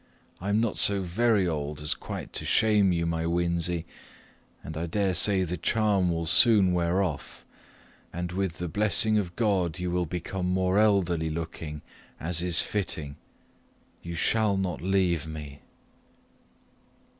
I am not so very old as quite to shame you, my Winzy; and I dare say the charm will soon wear off, and, with the blessing of God, you will become more elderly looking, as is fitting; you shall not leave me."